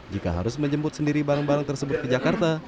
jika harus menjemput sendiri barang barang tersebut ke jakarta